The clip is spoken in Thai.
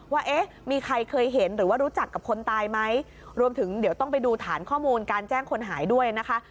ว่าเอ๊ะมีใครเคยเห็นหรือว่ารู้จักกับคนตายไหมรวมถึงเดี๋ยวต้องไปดูฐานข้อมูลการแจ้งคนหายด้วยนะคะ